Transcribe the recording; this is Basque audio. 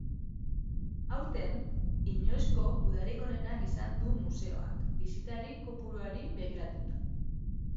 Aurten, inoizko udarik onena izan du museoak, bisitari kopuruari begiratuta.